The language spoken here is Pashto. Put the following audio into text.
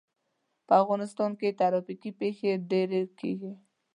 په افغانستان کې ترافیکي پېښې ډېرې کېږي.